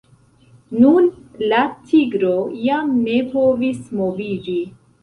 Nun la tigro jam ne povis moviĝi.